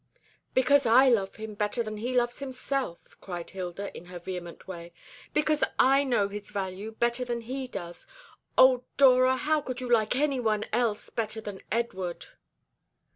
"Because I love him better than he loves himself," cried Hilda, in her vehement way; "because I know his value better than he does. O Dora, how could you like any one else better than Edward?"